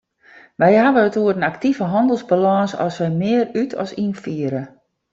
Wy hawwe it oer in aktive hannelsbalâns as wy mear út- as ynfiere.